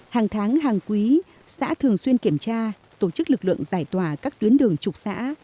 hàng tháng hàng quý xã thường xuyên kiểm tra tổ chức lực lượng giải tỏa các tuyến đường trục xã